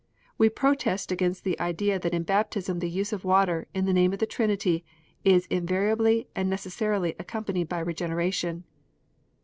We protest against the idea that in baptism the use of water, in the name of the Trinity, is invariably and necessarily accompanied by regeneration.